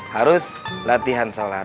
harus latihan sholat